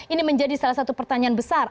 ini menjadi salah satu pertanyaan besar